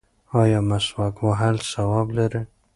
ایا مسواک وهل ثواب لري؟